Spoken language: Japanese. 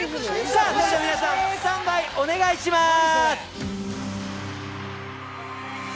それでは皆さんスタンバイお願いします。